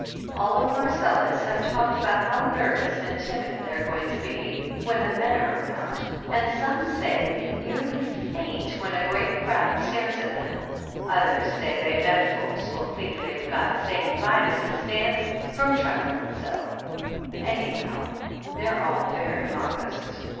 All of Marcella's have talked about how nervous and timid they are going to be when the men are around and some say they nearly faint when a great crowd stares at them, others say they bet folks will think they've got St. Vituses' dance from trembling so; any how, they're all very modest.